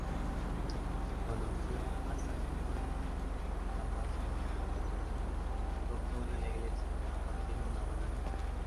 Conoció a San Juan Damasceno Doctor de la Iglesia compartiendo una buena amistad.